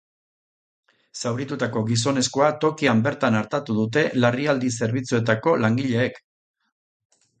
Zauritutako gizonezkoa tokian bertan artatu dute larrialdi zerbitzuetako langileek.